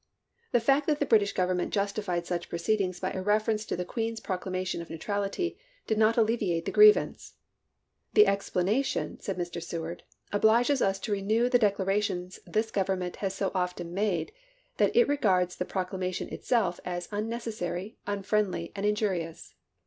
The fact that the British Government justified such proceedings by a reference to the Queen's proclamation of neu trality did not alleviate the grievance. " The ex planation," said Mr. Seward, " obliges us to renew the declaration this Government has so often made, that it regards the proclamation itself as unneces sary, unfriendly, and injurious."